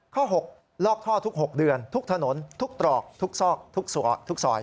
ข้อ๖ลอกท่อทุก๖เดือนทุกถนนทุกตรอกทุกซอกทุกซอย